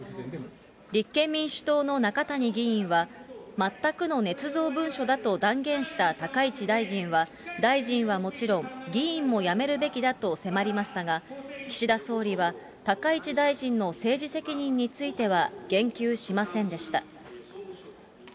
立憲民主党の中谷議員は、全くのねつ造文書だと断言した高市大臣は、大臣はもちろん、議員も辞めるべきだと迫りましたが、岸田総理は、高市大臣の政治責任については言及しませんでした。